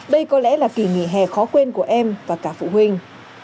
đây có lẽ là kỳ nghỉ hè khó quên của em và cả phụ huynh